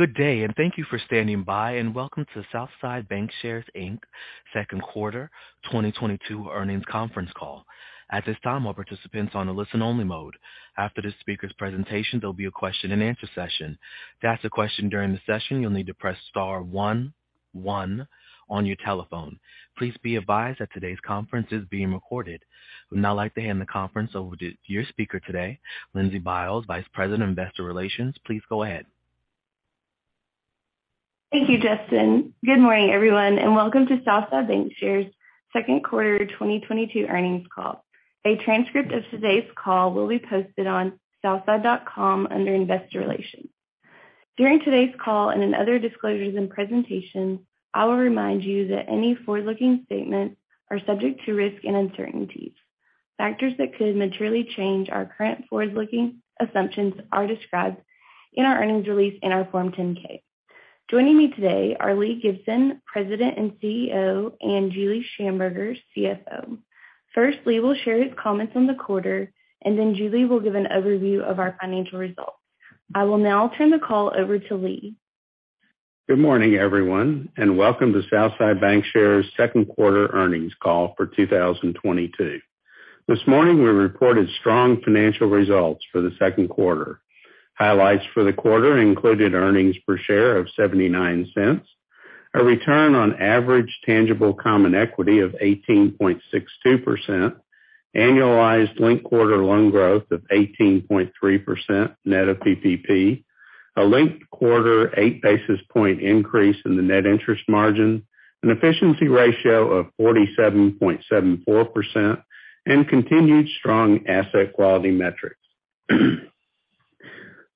Good day, and thank you for standing by, and welcome to Southside Bancshares, Inc. Q 2022 earnings conference call. At this time, all participants are in listen-only mode. After the speaker's presentation, there'll be a question-and-answer session. To ask a question during the session, you'll need to press star one one on your telephone. Please be advised that today's conference is being recorded. I would now like to hand the conference over to your speaker today, Lindsey Bailes, Vice President, Investor Relations. Please go ahead. Thank you, Justin. Good morning, everyone, and welcome to Southside Bancshares' Q2 2022 earnings call. A transcript of today's call will be posted on southside.com under Investor Relations. During today's call and in other disclosures and presentations, I will remind you that any forward-looking statements are subject to risk and uncertainties. Factors that could materially change our current forward-looking assumptions are described in our earnings release in our Form 10-K. Joining me today are Lee Gibson, President and CEO, and Julie Shamburger, CFO. First, Lee will share his comments on the quarter, and then Julie will give an overview of our financial results. I will now turn the call over to Lee. Good morning, everyone, and welcome to Southside Bancshares' Q2 earnings call for 2022. This morning, we reported strong financial results for the Q2. Highlights for the quarter included earnings per share of $0.79, a return on average tangible common equity of 18.62%, annualized linked quarter loan growth of 18.3% net of PPP, a linked quarter 8 basis point increase in the net interest margin, an efficiency ratio of 47.74%, and continued strong asset quality metrics.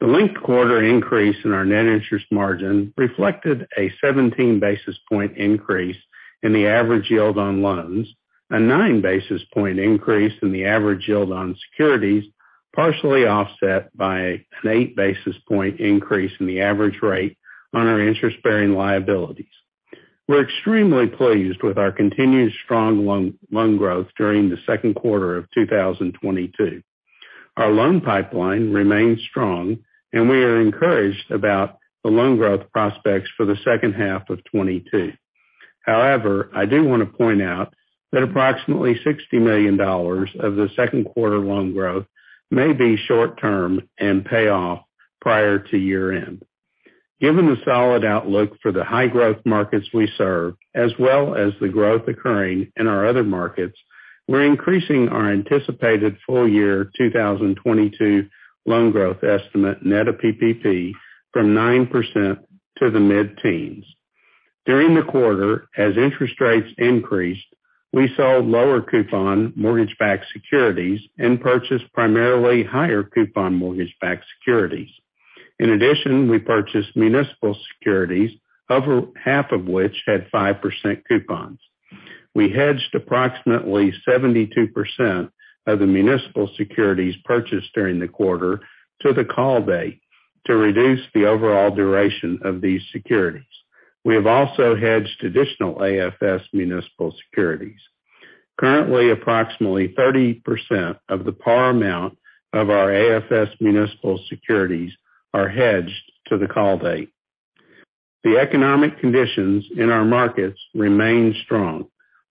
The linked quarter increase in our net interest margin reflected a 17 basis point increase in the average yield on loans, a 9 basis point increase in the average yield on securities, partially offset by an 8 basis point increase in the average rate on our interest-bearing liabilities. We're extremely pleased with our continued strong loan growth during the Q2 of 2022. Our loan pipeline remains strong, and we are encouraged about the loan growth prospects for the second half of 2022. However, I do wanna point out that approximately $60 million of the Q2 loan growth may be short term and pay off prior to year-end. Given the solid outlook for the high-growth markets we serve, as well as the growth occurring in our other markets, we're increasing our anticipated full year 2022 loan growth estimate, net of PPP, from 9% to the mid-teens. During the quarter, as interest rates increased, we sold lower coupon mortgage-backed securities and purchased primarily higher coupon mortgage-backed securities. In addition, we purchased municipal securities, over half of which had 5% coupons. We hedged approximately 72% of the municipal securities purchased during the quarter to the call date to reduce the overall duration of these securities. We have also hedged additional AFS municipal securities. Currently, approximately 30% of the par amount of our AFS municipal securities are hedged to the call date. The economic conditions in our markets remain strong,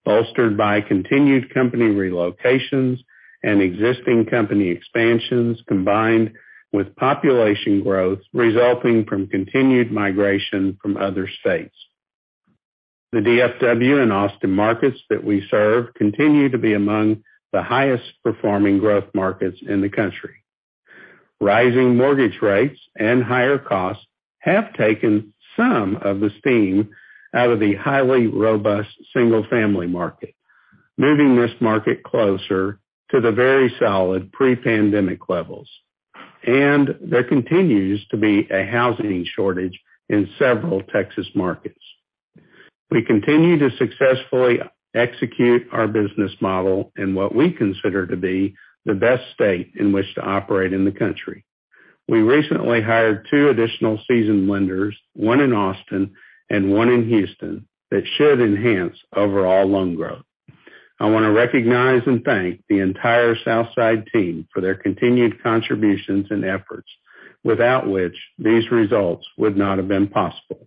bolstered by continued company relocations and existing company expansions, combined with population growth resulting from continued migration from other states. The DFW and Austin markets that we serve continue to be among the highest performing growth markets in the country. Rising mortgage rates and higher costs have taken some of the steam out of the highly robust single-family market, moving this market closer to the very solid pre-pandemic levels. There continues to be a housing shortage in several Texas markets. We continue to successfully execute our business model in what we consider to be the best state in which to operate in the country. We recently hired two additional seasoned lenders, one in Austin and one in Houston, that should enhance overall loan growth. I wanna recognize and thank the entire Southside team for their continued contributions and efforts, without which these results would not have been possible.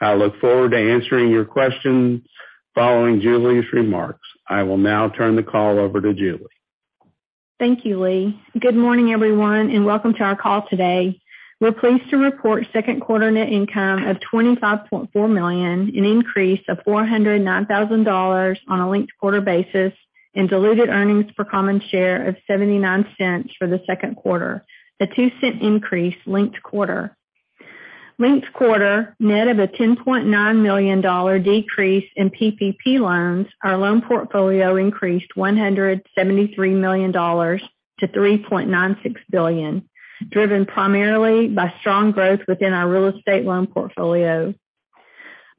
I look forward to answering your questions following Julie's remarks. I will now turn the call over to Julie. Thank you, Lee. Good morning, everyone, and welcome to our call today. We're pleased to report Q2 net income of $25.4 million, an increase of $409,000 on a linked quarter basis and diluted earnings per common share of $0.79 for the Q2. The $0.02 increase linked quarter, net of a $10.9 million decrease in PPP loans, our loan portfolio increased $173 million to $3.96 billion, driven primarily by strong growth within our real estate loan portfolio.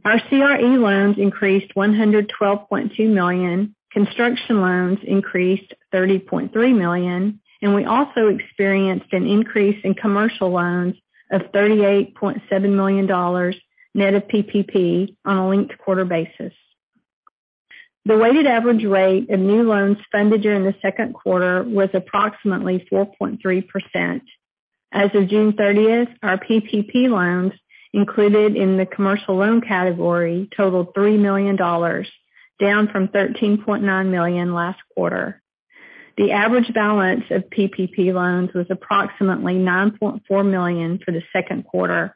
Our CRE loans increased $112.2 million, construction loans increased $30.3 million, and we also experienced an increase in commercial loans of $38.7 million net of PPP on a linked-quarter basis. The weighted average rate of new loans funded during the Q2 was approximately 4.3%. As of June 30, our PPP loans, included in the commercial loan category, totaled $3 million, down from $13.9 million last quarter. The average balance of PPP loans was approximately $9.4 million for the Q2.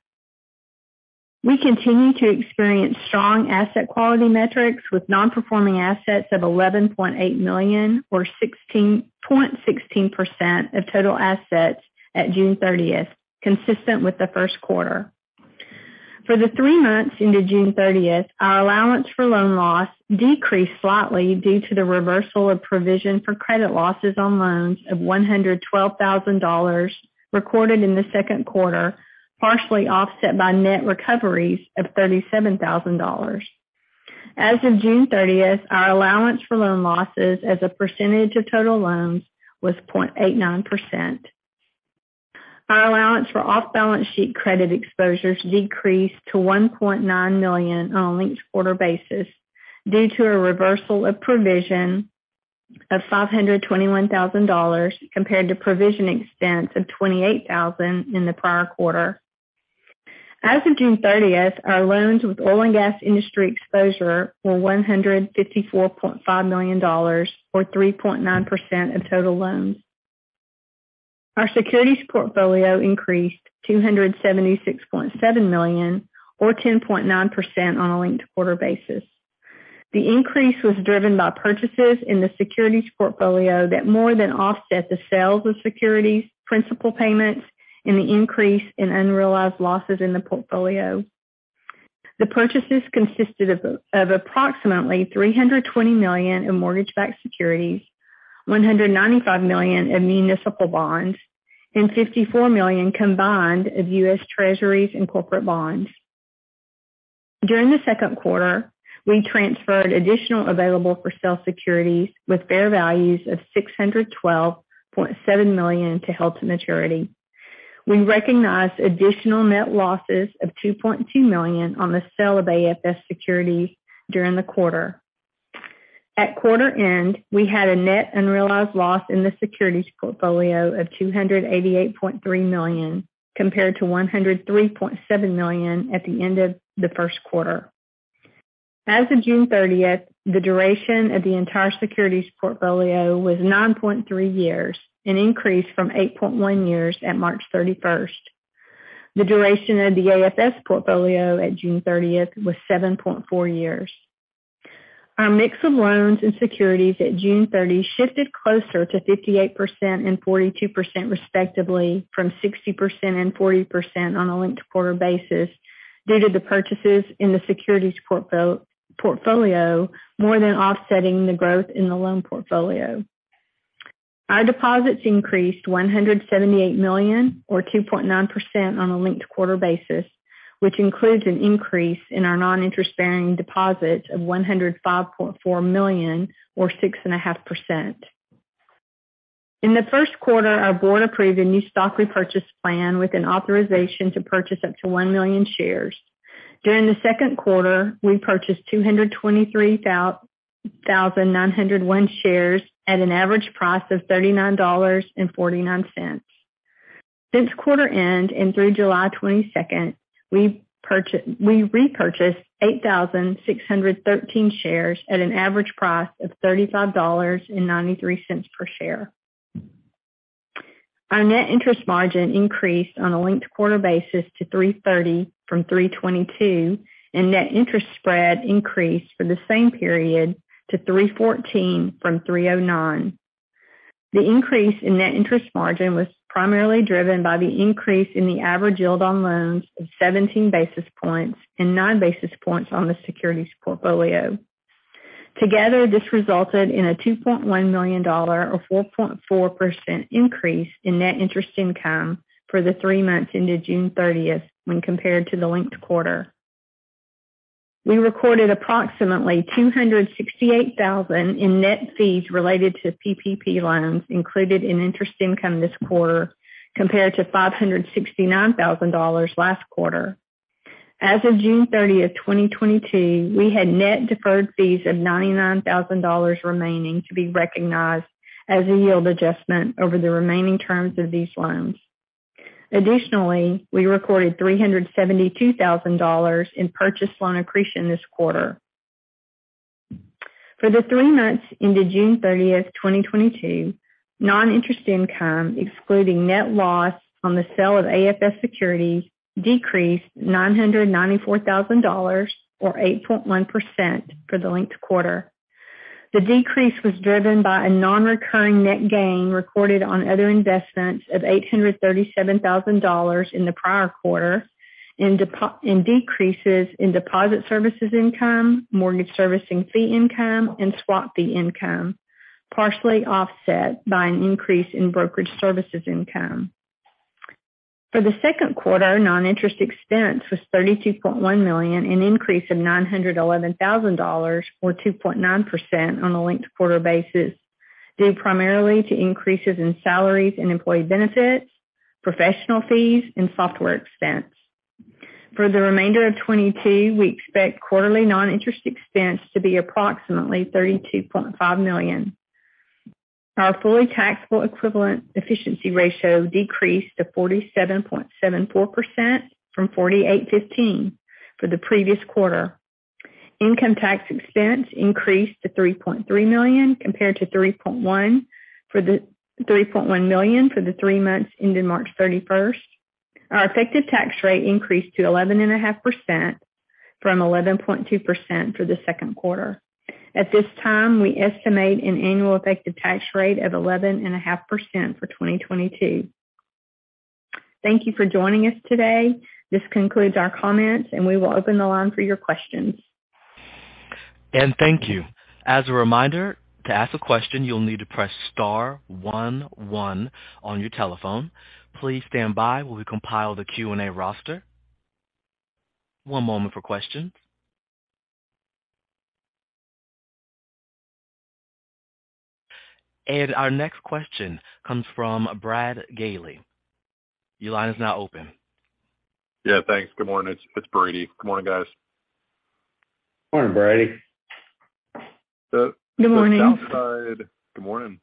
We continue to experience strong asset quality metrics with non-performing assets of $11.8 million or 16.16% of total assets at June 30, consistent with the Q1. For the three months ended June 30, our allowance for loan loss decreased slightly due to the reversal of provision for credit losses on loans of $112 thousand recorded in the Q2, partially offset by net recoveries of $37 thousand. As of June 30, our allowance for loan losses as a percentage of total loans was 0.89%. Our allowance for off-balance sheet credit exposures decreased to $1.9 million on a linked-quarter basis due to a reversal of provision of $521 thousand compared to provision expense of $28 thousand in the prior quarter. As of June 30, our loans with oil and gas industry exposure were $154.5 million, or 3.9% of total loans. Our securities portfolio increased to $176.7 million or 10.9% on a linked quarter basis. The increase was driven by purchases in the securities portfolio that more than offset the sales of securities principal payments and the increase in unrealized losses in the portfolio. The purchases consisted of approximately $320 million in mortgage-backed securities, $195 million in municipal bonds, and $54 million combined of U.S. Treasuries and corporate bonds. During the Q2, we transferred additional available-for-sale securities with fair values of $612.7 million to held-to-maturity. We recognized additional net losses of $2.2 million on the sale of AFS securities during the quarter. At quarter end, we had a net unrealized loss in the securities portfolio of $288.3 million compared to $103.7 million at the end of the Q1. As of June 30, the duration of the entire securities portfolio was 9.3 years, an increase from 8.1 years at March 31. The duration of the AFS portfolio at June 30 was 7.4 years. Our mix of loans and securities at June 30 shifted closer to 58% and 42%, respectively, from 60% and 40% on a linked quarter basis due to the purchases in the securities portfolio more than offsetting the growth in the loan portfolio. Our deposits increased $178 million or 2.9% on a linked quarter basis, which includes an increase in our non-interest-bearing deposits of $105.4 million or 6.5%. In the Q1, our board approved a new stock repurchase plan with an authorization to purchase up to 1 million shares. During the Q2, we purchased 223,901 shares at an average price of $39.49. Since quarter end and through July 22, we repurchased 8,613 shares at an average price of $35.93 per share. Our net interest margin increased on a linked quarter basis to 3.30% from 3.22%, and net interest spread increased for the same period to 3.14% from 3.09%. The increase in net interest margin was primarily driven by the increase in the average yield on loans of 17 basis points and 9 basis points on the securities portfolio. Together, this resulted in a $2.1 million or 4.4% increase in net interest income for the three months ended June 30 when compared to the linked quarter. We recorded approximately $268 thousand in net fees related to PPP loans included in interest income this quarter compared to $569 thousand last quarter. As of 30 June 2022, we had net deferred fees of $99 thousand remaining to be recognized as a yield adjustment over the remaining terms of these loans. Additionally, we recorded $372 thousand in purchase loan accretion this quarter. For the three months ended 30 June 2022, non-interest income, excluding net loss on the sale of AFS securities, decreased $994,000 or 8.1% for the linked quarter. The decrease was driven by a non-recurring net gain recorded on other investments of $837,000 in the prior quarter and decreases in deposit services income, mortgage servicing fee income, and swap fee income, partially offset by an increase in brokerage services income. For the Q2, non-interest expense was $32.1 million, an increase of $911,000 or 2.9% on a linked quarter basis, due primarily to increases in salaries and employee benefits, professional fees, and software expense. For the remainder of 2022, we expect quarterly non-interest expense to be approximately $32.5 million. Our fully taxable equivalent efficiency ratio decreased to 47.74% from 48.15% for the previous quarter. Income tax expense increased to $3.3 million compared to $3.1 million for the three months ending March 31. Our effective tax rate increased to 11.5% from 11.2% for the Q2. At this time, we estimate an annual effective tax rate of 11.5% for 2022. Thank you for joining us today. This concludes our comments, and we will open the line for your questions. Thank you. As a reminder, to ask a question, you'll need to press star one one on your telephone. Please stand by while we compile the Q&A roster. One moment for questions. Our next question comes from Brady Gailey. Your line is now open. Yeah, thanks. Good morning. It's Brady. Good morning, guys. Morning, Brady. Good morning. Good morning.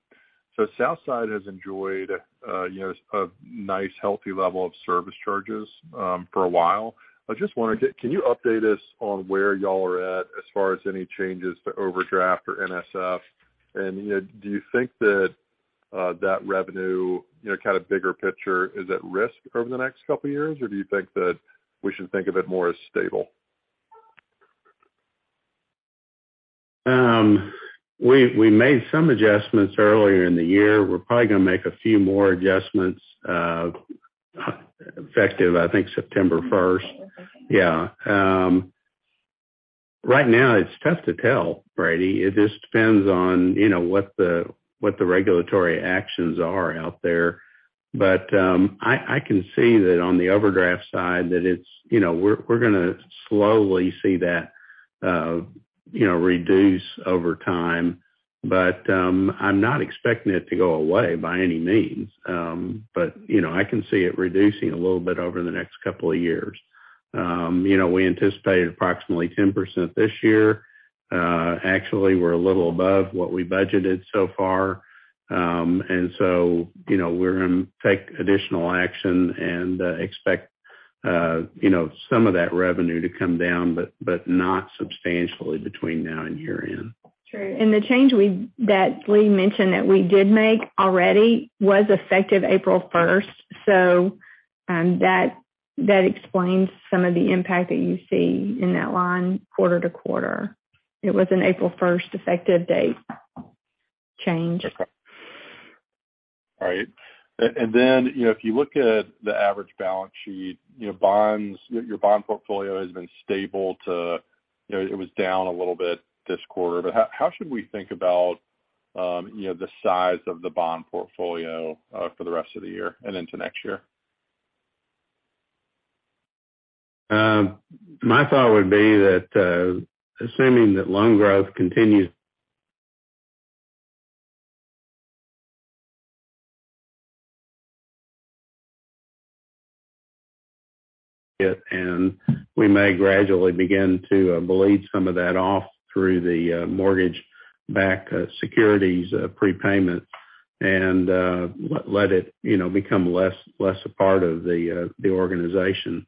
Southside has enjoyed, you know, a nice healthy level of service charges, for a while. I just wondered, can you update us on where y'all are at as far as any changes to overdraft or NSF? You know, do you think that that revenue, you know, kind of bigger picture is at risk over the next couple of years? Or do you think that we should think of it more as stable? We made some adjustments earlier in the year. We're probably gonna make a few more adjustments, effective, I think, September first. Yeah. Right now it's tough to tell, Brady. It just depends on, you know, what the regulatory actions are out there. I can see that on the overdraft side that it's, you know, we're gonna slowly see that, you know, reduce over time. I'm not expecting it to go away by any means. You know, I can see it reducing a little bit over the next couple of years. You know, we anticipated approximately 10% this year. Actually, we're a little above what we budgeted so far. You know, we're gonna take additional action and expect, you know, some of that revenue to come down, but not substantially between now and year-end. True. The change that Lee mentioned that we did make already was effective April first, so that explains some of the impact that you see in that line quarter to quarter. It was an April first effective date change. All right. You know, if you look at the average balance sheet, you know, bonds, your bond portfolio has been stable to, you know, it was down a little bit this quarter. How should we think about, you know, the size of the bond portfolio, for the rest of the year and into next year? My thought would be that, assuming that loan growth continues and we may gradually begin to bleed some of that off through the mortgage-backed securities prepayment and let it, you know, become less a part of the organization.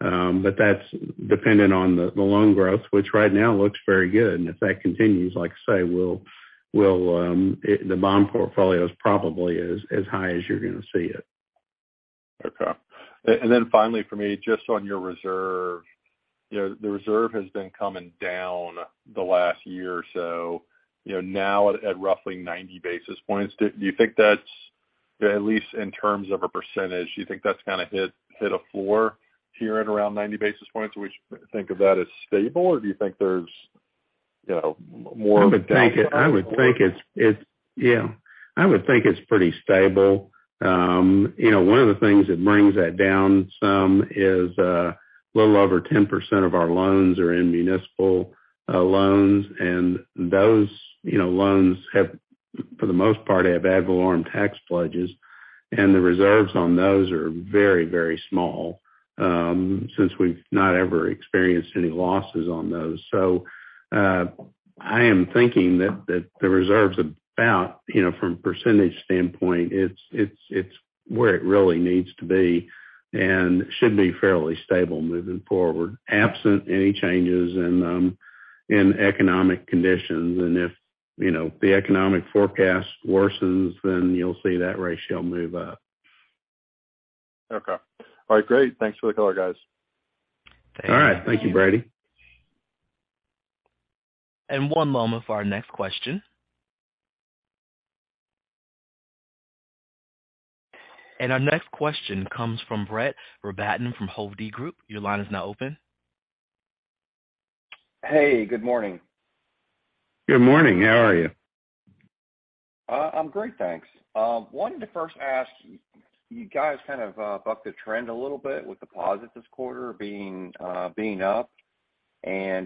That's dependent on the loan growth, which right now looks very good. If that continues, like I say, the bond portfolio is probably as high as you're gonna see it. Okay. Finally for me, just on your reserve. You know, the reserve has been coming down the last year or so, you know, now at roughly 90 basis points. Do you think that's, at least in terms of a percentage, do you think that's gonna hit a floor here at around 90 basis points? We should think of that as stable, or do you think there's, you know, more? I would think it's pretty stable. You know, one of the things that brings that down some is a little over 10% of our loans are in municipal loans. Those, you know, loans have, for the most part, ad valorem tax pledges, and the reserves on those are very, very small since we've not ever experienced any losses on those. I am thinking that the reserve's about, you know, from a percentage standpoint, it's where it really needs to be and should be fairly stable moving forward, absent any changes in economic conditions. If the economic forecast worsens, then you'll see that ratio move up. Okay. All right, great. Thanks for the color, guys. All right. Thank you, Brady. One moment for our next question. Our next question comes from Brett Rabatin from Hovde Group. Your line is now open. Hey, good morning. Good morning. How are you? I'm great, thanks. Wanted to first ask, you guys kind of bucked the trend a little bit with deposits this quarter being up.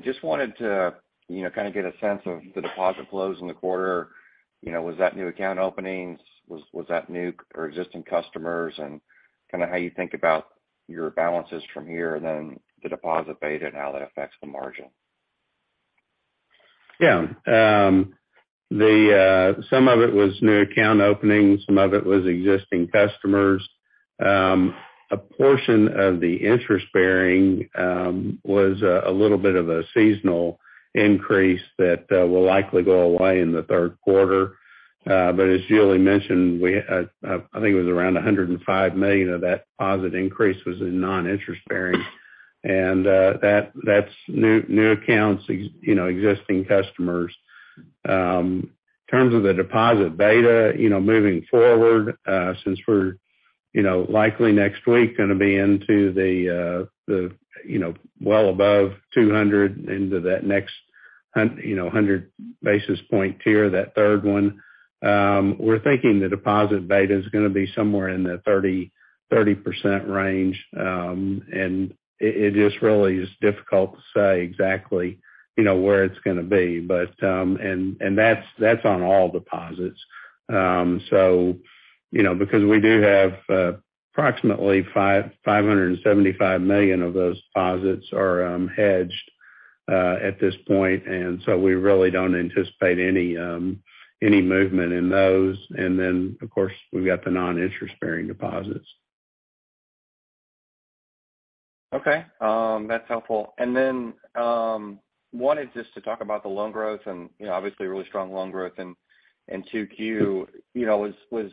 Just wanted to, you know, kind of get a sense of the deposit flows in the quarter. You know, was that new account openings? Was that new or existing customers? Kind of how you think about your balances from here, and then the deposit beta and how that affects the margin. Yeah. The some of it was new account openings, some of it was existing customers. A portion of the interest-bearing was a little bit of a seasonal increase that will likely go away in the Q3. As Julie mentioned, I think it was around $105 million of that deposit increase was in non-interest-bearing. That that's new accounts, existing customers. In terms of the deposit beta, you know, moving forward, since we're, you know, likely next week gonna be into the, you know, well above 200 into that next 100 basis point tier, that third one, we're thinking the deposit beta's gonna be somewhere in the 30 to 30% range. It just really is difficult to say exactly, you know, where it's gonna be. That's on all deposits. You know, because we do have approximately $575 million of those deposits are hedged at this point, and we really don't anticipate any movement in those. Then, of course, we've got the non-interest-bearing deposits. Okay. That's helpful. Wanted just to talk about the loan growth and, you know, obviously really strong loan growth in 2Q. You know, was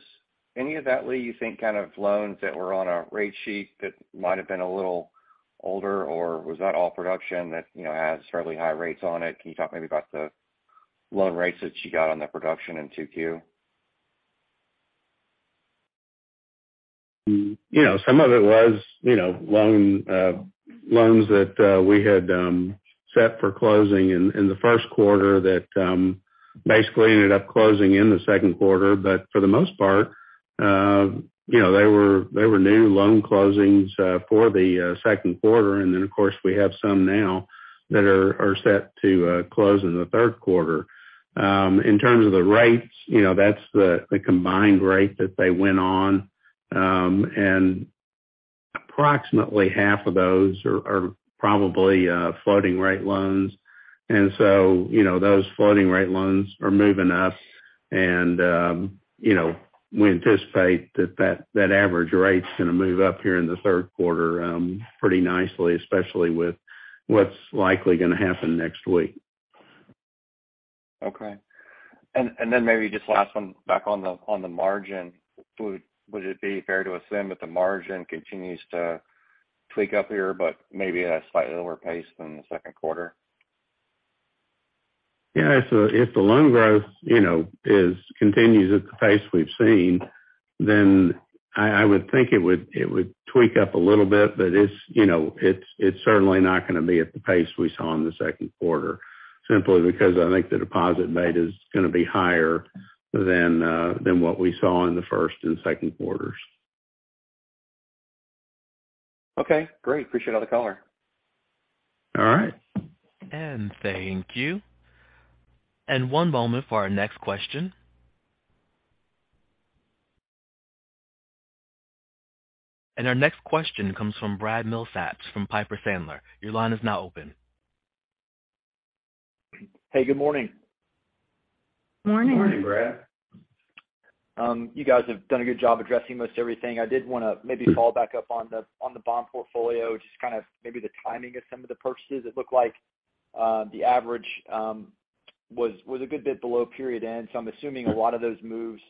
any of that, Lee, you think, kind of loans that were on a rate sheet that might have been a little older, or was that all production that, you know, has fairly high rates on it? Can you talk maybe about the loan rates that you got on the production in 2Q? You know, some of it was, you know, loans that we had set for closing in the Q1 that basically ended up closing in the Q2. For the most part, you know, they were new loan closings for the Q2. Of course, we have some now that are set to close in the Q3. In terms of the rates, you know, that's the combined rate that they went on. Approximately half of those are probably floating rate loans. You know, those floating rate loans are moving up, and you know, we anticipate that average rate's gonna move up here in the Q3 pretty nicely, especially with what's likely gonna happen next week. Okay. Maybe just last one back on the margin. Would it be fair to assume that the margin continues to tweak up here, but maybe at a slightly lower pace than the Q2? Yeah. If the loan growth, you know, continues at the pace we've seen, then I would think it would tweak up a little bit, but it's, you know, certainly not gonna be at the pace we saw in the Q2, simply because I think the deposit beta's gonna be higher than what we saw in the first and Q2s. Okay, great. Appreciate all the color. All right. Thank you. One moment for our next question. Our next question comes from Brad Milsaps from Piper Sandler. Your line is now open. Hey, good morning. Morning. Morning, Brad. You guys have done a good job addressing most everything. I did wanna maybe follow back up on the bond portfolio, just kind of maybe the timing of some of the purchases. It looked like the average was a good bit below period end, so I'm assuming a lot of those moves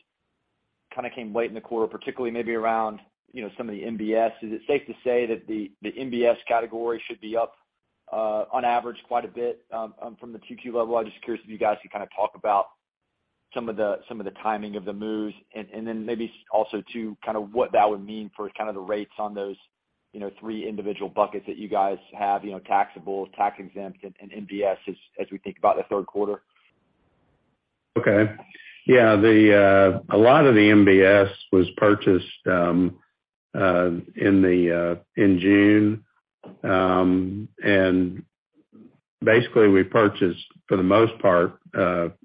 kind of came late in the quarter, particularly maybe around, you know, some of the MBS. Is it safe to say that the MBS category should be up on average quite a bit from the 2Q level? I'm just curious if you guys can kind of talk about some of the timing of the moves and then maybe also too kind of what that would mean for kind of the rates on those, you know, three individual buckets that you guys have, you know, taxable, tax-exempt, and MBS as we think about the Q3. Okay. Yeah. A lot of the MBS was purchased in June. Basically, we purchased, for the most part,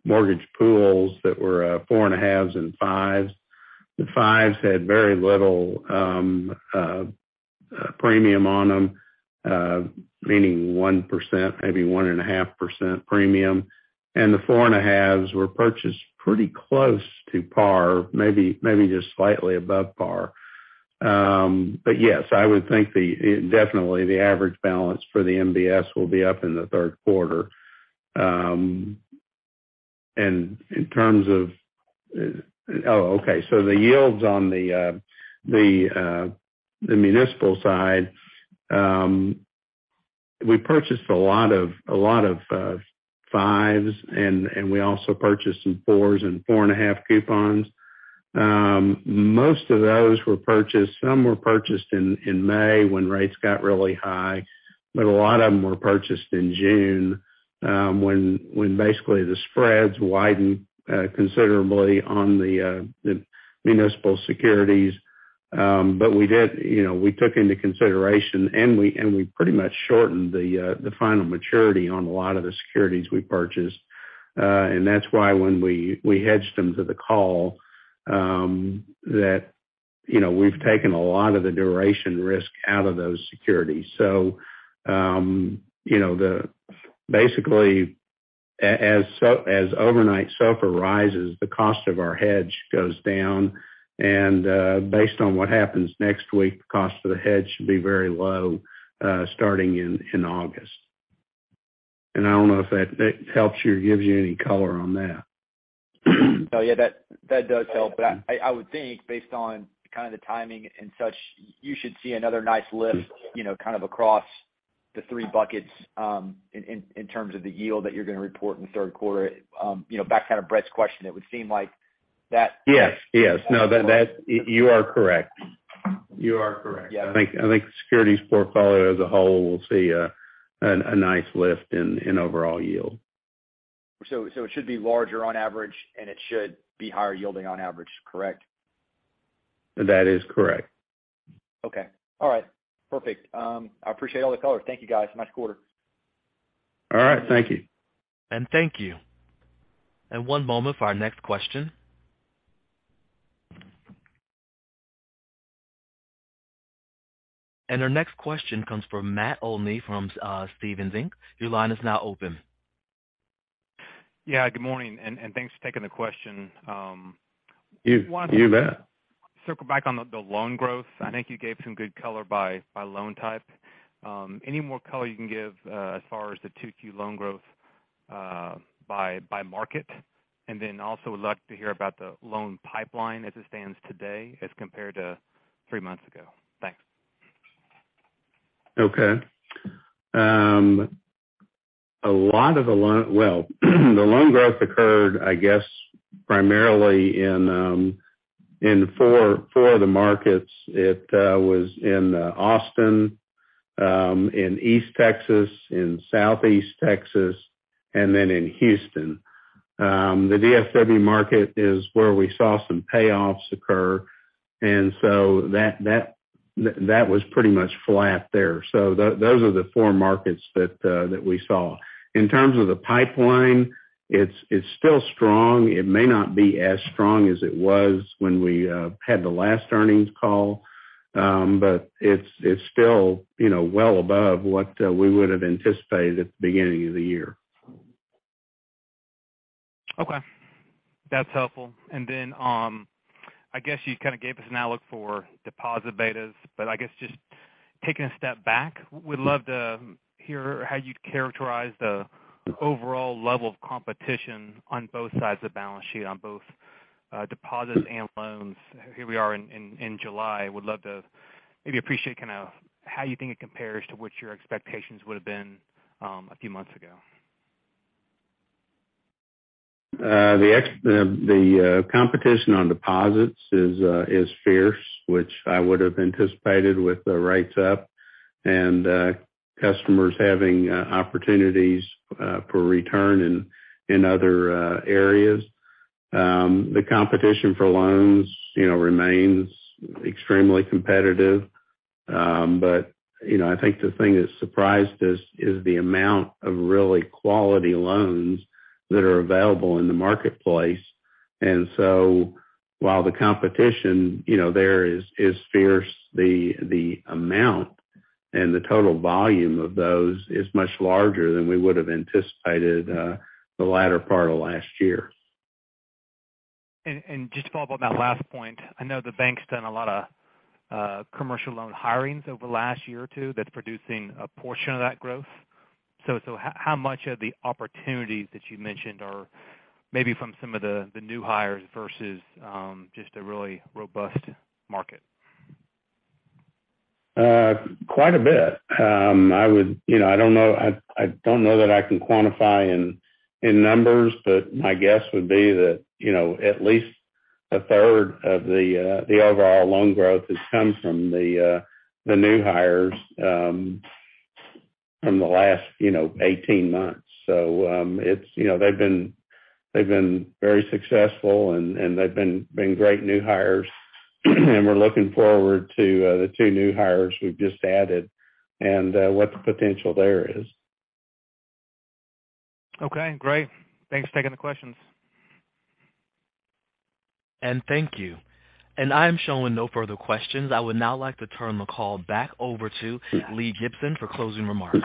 mortgage pools that were 4.5s and 5s. The 5s had very little premium on them, meaning 1%, maybe 1.5% premium. The 4.5s were purchased pretty close to par, maybe just slightly above par. Yes, I would think definitely the average balance for the MBS will be up in the Q3. In terms of the yields on the municipal side, we purchased a lot of 5s, and we also purchased some 4s and 4.5 coupons. Most of those were purchased. Some were purchased in May when rates got really high, but a lot of them were purchased in June when basically the spreads widened considerably on the municipal securities. We did, you know, take into consideration, and we pretty much shortened the final maturity on a lot of the securities we purchased. That's why when we hedged them to the call, you know, we've taken a lot of the duration risk out of those securities. Basically, as overnight SOFR rises, the cost of our hedge goes down. Based on what happens next week, the cost of the hedge should be very low starting in August. I don't know if that helps you or gives you any color on that. Oh, yeah, that does help. I would think based on kind of the timing and such, you should see another nice lift, you know, kind of across the three buckets, in terms of the yield that you're gonna report in the Q3. You know, back to kind of Brett's question, it would seem like that- Yes. Yes. No, that. You are correct. You are correct. Yeah. I think the securities portfolio as a whole will see a nice lift in overall yield. It should be larger on average, and it should be higher yielding on average, correct? That is correct. Okay. All right. Perfect. I appreciate all the color. Thank you, guys. Nice quarter. All right. Thank you. Thank you. One moment for our next question. Our next question comes from Matt Olney from Stephens Inc. Your line is now open. Yeah, good morning, and thanks for taking the question. Wanted to- You bet. Circle back on the loan growth. I think you gave some good color by loan type. Any more color you can give as far as the two key loan growth by market? Also, would love to hear about the loan pipeline as it stands today as compared to three months ago. Thanks. Okay. Well, the loan growth occurred, I guess, primarily in four of the markets. It was in Austin, in East Texas, in Southeast Texas, and then in Houston. The DFW market is where we saw some payoffs occur. That was pretty much flat there. Those are the four markets that we saw. In terms of the pipeline, it's still strong. It may not be as strong as it was when we had the last earnings call. But it's still, you know, well above what we would have anticipated at the beginning of the year. Okay. That's helpful. I guess you kind of gave us an outlook for deposit betas, but I guess just taking a step back, we'd love to hear how you'd characterize the overall level of competition on both sides of the balance sheet, deposits and loans. Here we are in July. Would love to maybe appreciate kind of how you think it compares to what your expectations would have been, a few months ago. The competition on deposits is fierce, which I would have anticipated with the rates up and customers having opportunities for return in other areas. The competition for loans, you know, remains extremely competitive. You know, I think the thing that surprised us is the amount of really quality loans that are available in the marketplace. While the competition, you know, there is fierce, the amount and the total volume of those is much larger than we would have anticipated the latter part of last year. Just to follow up on that last point, I know the bank's done a lot of commercial loan hirings over the last year or two that's producing a portion of that growth. How much of the opportunities that you mentioned are maybe from some of the new hires versus just a really robust market? Quite a bit. You know, I don't know that I can quantify in numbers, but my guess would be that, you know, at least a third of the overall loan growth has come from the new hires from the last 18 months. You know, they've been very successful and they've been great new hires. We're looking forward to the 2 new hires we've just added and what the potential there is. Okay, great. Thanks for taking the questions. Thank you. I'm showing no further questions. I would now like to turn the call back over to Lee Gibson for closing remarks.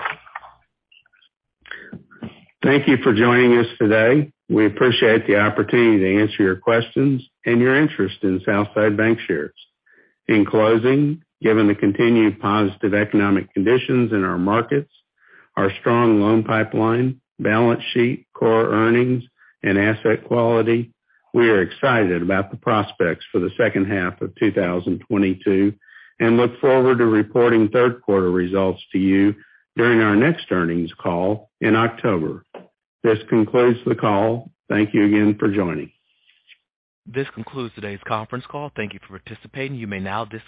Thank you for joining us today. We appreciate the opportunity to answer your questions and your interest in Southside Bancshares. In closing, given the continued positive economic conditions in our markets, our strong loan pipeline, balance sheet, core earnings, and asset quality, we are excited about the prospects for the second half of 2022 and look forward to reporting Q3 results to you during our next earnings call in October. This concludes the call. Thank you again for joining. This concludes today's conference call. Thank you for participating. You may now disconnect.